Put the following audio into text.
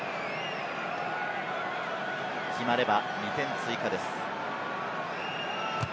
決まれば２点追加です。